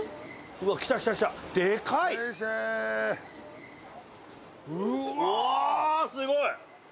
うわうわすごい！